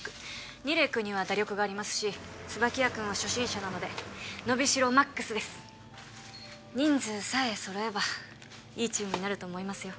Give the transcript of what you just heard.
楡君には打力がありますし椿谷君は初心者なので伸びしろＭＡＸです人数さえ揃えばいいチームになると思いますよ